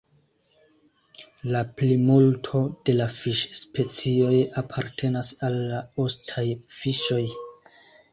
La plimulto de la fiŝ-specioj apartenas al la ostaj fiŝoj.